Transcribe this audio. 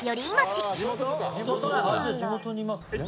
地元にいますね。